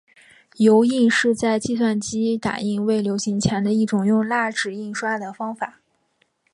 油印是在计算机打印未流行前的一种用蜡纸印刷的方法。